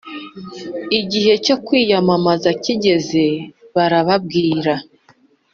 Igihe cyo kwiyamamaza kigeze barababwira